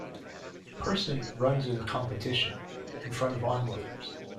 A person runs in a competition in front of onlookers.